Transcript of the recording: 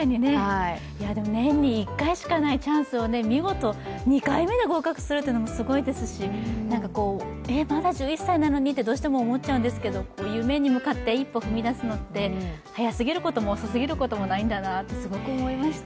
でも、年に１回しかないチャンスを見事２回目で合格するのもすごいですし、まだ１１歳なのにってどうしても思っちゃうんですけど夢に向かって一歩踏み出すのって早すぎることも遅すぎることもないんだなって思いました。